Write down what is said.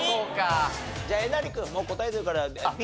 じゃあえなり君もう答えてるからＢ。